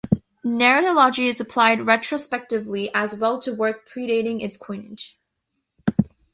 Narratology is applied retrospectively as well to work predating its coinage.